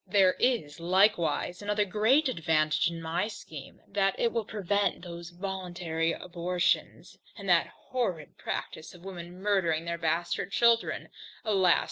There is likewise another great advantage in my scheme, that it will prevent those voluntary abortions, and that horrid practice of women murdering their bastard children, alas!